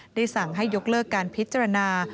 ได้สั่งให้ยกเลิกการพิจารณา